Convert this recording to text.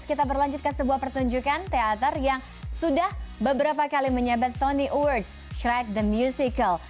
kita berlanjutkan sebuah pertunjukan teater yang sudah beberapa kali menyebat tony awards shrek the musical